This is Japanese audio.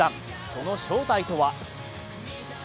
その正体とは？